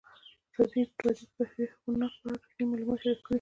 ازادي راډیو د د بشري حقونو نقض په اړه رښتیني معلومات شریک کړي.